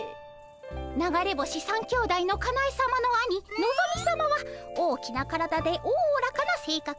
流れ星３兄弟のかなえさまの兄のぞみさまは大きな体でおおらかなせいかく。